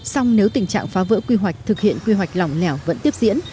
song nếu tình trạng phá vỡ quy hoạch thực hiện quy hoạch lỏng lẻo vẫn tiếp diễn